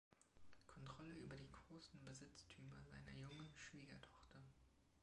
Kontrolle über die großen Besitztümer seiner jungen Schwiegertochter.